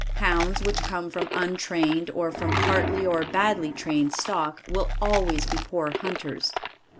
Hounds which come from untrained or from partly or badly trained stock will always be poor hunters.